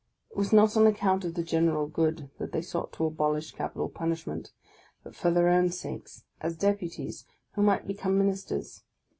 it was not on account of the general good that they Bought to abolish capital punishment, but for their own sakes, •— as Deputies, who might become Ministers.